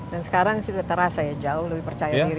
dan sekarang sudah terasa ya jauh lebih percaya diri jauh lebih